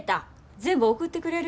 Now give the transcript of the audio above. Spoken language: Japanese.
全部送ってくれる？